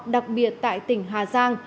đặc biệt tại tỉnh hà giang